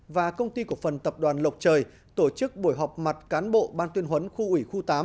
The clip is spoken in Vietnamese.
và công ty cổ phần tập đoàn lộc trời tổ chức buổi họp mặt cán bộ ban tuyên huấn khu ủy khu tám